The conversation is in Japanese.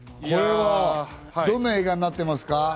どんな映画になってますか？